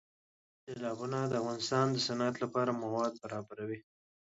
سیلابونه د افغانستان د صنعت لپاره مواد برابروي.